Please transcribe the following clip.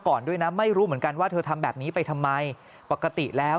ก่อนด้วยนะไม่รู้เหมือนกันว่าเธอทำแบบนี้ไปทำไมปกติแล้ว